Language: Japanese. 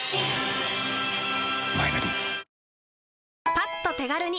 パッと手軽に！